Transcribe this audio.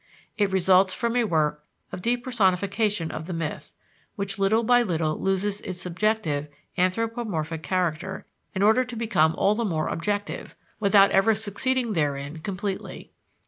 It results from a work of depersonification of the myth, which little by little loses its subjective, anthropomorphic character in order to become all the more objective, without ever succeeding therein completely.